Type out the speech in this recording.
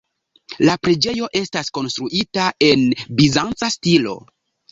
La preĝejo estas konstruita en bizanca stilo.